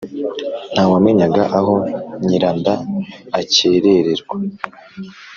ntawamenyaga aho nyiranda akerererwa.